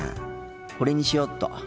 これにしよっと。